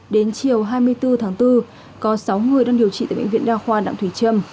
đến chiều hai mươi bốn tháng bốn có sáu người đang điều trị tại bệnh viện đa khoa đạm thủy trâm